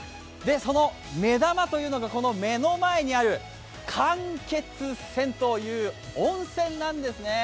その目玉というのが、この目の前にある間欠泉という温泉なんですね。